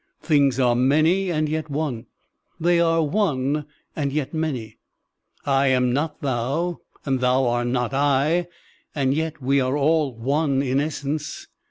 Things are many and yet one; they are one and yet many. I am not thou, and thou art not I ; and yet we are all one in essence.